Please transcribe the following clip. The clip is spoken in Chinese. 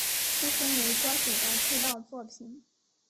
自身为歌手的出道作品。